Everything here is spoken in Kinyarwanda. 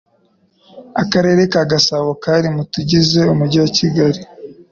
akarere ka gasabo kari mutugize umujyi wa kigali